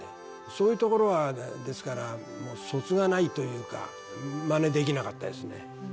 そういうところは、ですから、もうそつがないというか、まねできなかったですね。